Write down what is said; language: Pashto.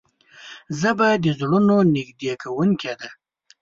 ژبه د زړونو نږدې کوونکې ده